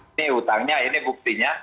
ini hutangnya ini buktinya